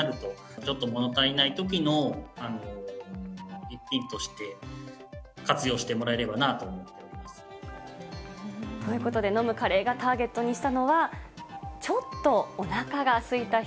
ちょっともの足りないときの一品として、活用してもらえればなとということで、飲むカレーがターゲットにしたのは、ちょっとおなかがすいた人。